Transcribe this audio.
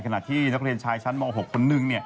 ขณะที่นักเรียนชายชั้นม๖คนนึง